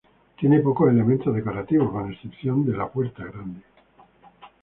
Tiene pocos elementos decorativos, con excepción de la "Puerta Grande".